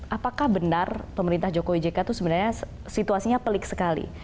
apakah benar pemerintah jokowi jk itu sebenarnya situasinya pelik sekali